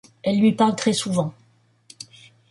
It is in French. Elle lui parle très souvent.